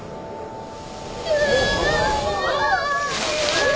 うわ！